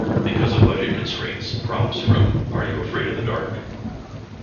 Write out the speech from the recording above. Because of budget constraints, props from Are You Afraid of the Dark?